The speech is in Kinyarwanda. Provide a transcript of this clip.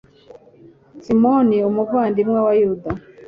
simoni, umuvandimwe wa yuda